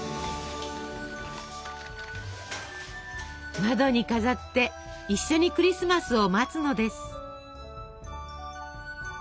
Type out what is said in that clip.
窓に飾って一緒にクリスマスを待つのです。